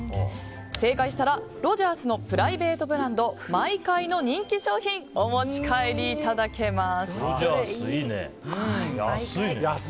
正解したらロヂャースのプライベートブランドｍｙｋａｉの人気商品お持ち帰りいただけます。